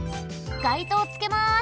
街灯つけます。